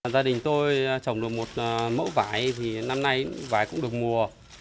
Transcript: gia đình tôi trồng được một mẫu vải thì năm nay vải cũng được mùa